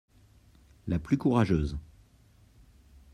La plus courageuse.